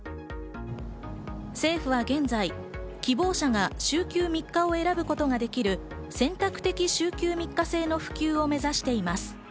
政府は現在、希望者が週休３日を選ぶことができる選択的週休３日制の普及を目指しています。